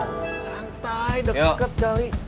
santai deket deket kali